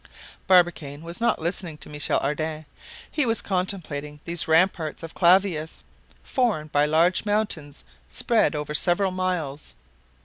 Barbicane was not listening to Michel Ardan; he was contemplating these ramparts of Clavius, formed by large mountains spread over several miles.